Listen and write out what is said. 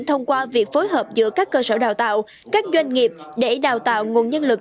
thông qua việc phối hợp giữa các cơ sở đào tạo các doanh nghiệp để đào tạo nguồn nhân lực